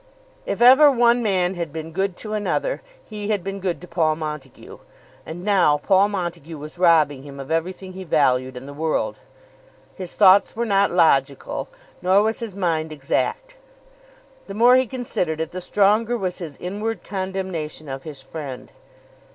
If ever one man had been good to another, he had been good to Paul Montague, and now Paul Montague was robbing him of everything he valued in the world. His thoughts were not logical, nor was his mind exact. The more he considered it, the stronger was his inward condemnation of his friend.